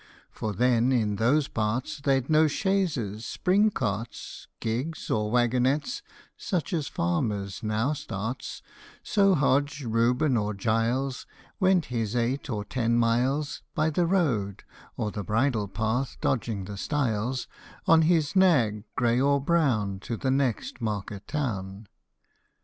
For then in those parts They 'd no chaises, spring carts, Gigs, or waggonettes, such as a farmer now starts ; So Hodge, Reuben, or Giles, Went his eight or ten miles By the road or the bridle path, dodging the stiles On his nag, grey or brown, to the next market town.